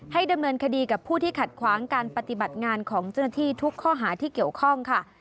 ดำเนินคดีกับผู้ที่ขัดขวางการปฏิบัติงานของเจ้าหน้าที่ทุกข้อหาที่เกี่ยวข้องค่ะ